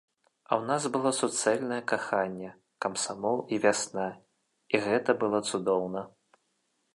А ў нас было суцэльнае каханне, камсамол і вясна, і гэта было цудоўна.